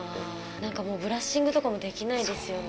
なんかもうブラッシングとかもできないですよね。